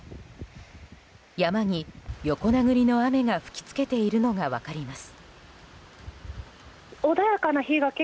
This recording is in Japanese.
山に横殴りの雨が吹き付けているのが分かります。